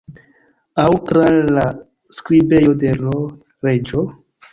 Aŭ tra la skribejo de l' Reĝo?